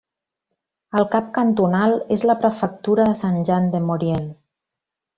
El cap cantonal és la prefectura de Saint-Jean-de-Maurienne.